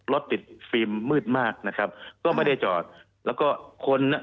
รถติดฟิล์มมืดมากนะครับก็ไม่ได้จอดแล้วก็คนน่ะ